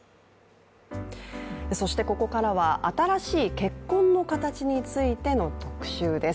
ここからは、新しい結婚の形についての特集です。